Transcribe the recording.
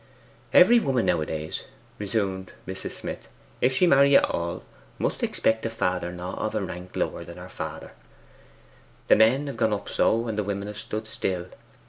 'Every woman now a days,' resumed Mrs. Smith, 'if she marry at all, must expect a father in law of a rank lower than her father. The men have gone up so, and the women have stood still.